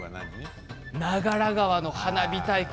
長良川の花火大会。